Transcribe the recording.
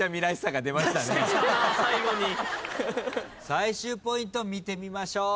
最終ポイント見てみましょう。